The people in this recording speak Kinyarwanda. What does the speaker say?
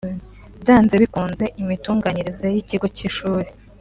Byanze bikunze imitunganyirize y’ikigo cy’ishuri